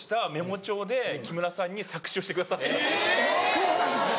そうなんですよ。